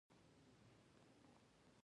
زهير باچا مزاحمتي شاعر دی.